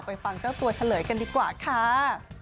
ฟังเจ้าตัวเฉลยกันดีกว่าค่ะ